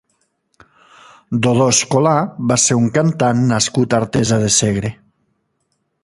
Dodó Escolà va ser un cantant nascut a Artesa de Segre.